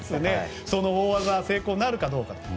その大技が成功なるかどうか。